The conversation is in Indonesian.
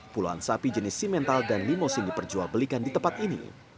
puluhan sapi jenis simental dan limosin diperjualbelikan di tempat ini